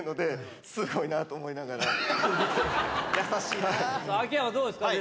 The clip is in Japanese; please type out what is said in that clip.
優しいな。